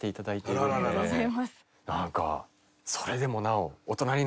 なんかそれでもなお。